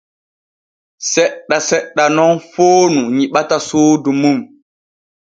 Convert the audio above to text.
Seɗɗa seɗɗa nun foonu nyiɓata suudu mum.